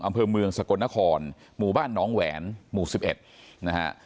อำเภอเมืองสกลนครหมู่บ้านน้องแหวนหมู่๑๑นะฮะ